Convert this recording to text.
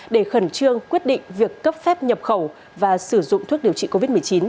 để khẩn trương quyết định việc cấp phép nhập khẩu và sử dụng thuốc điều trị covid một mươi chín